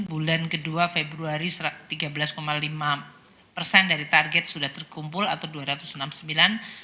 bulan kedua februari tiga belas lima persen dari target sudah terkumpul atau dua ratus enam puluh sembilan